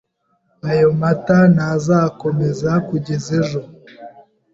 Aya mata ntazakomeza kugeza ejo.